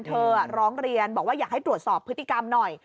ร้องเรียนบอกว่าอยากให้ตรวจสอบพฤติกรรมหน่อย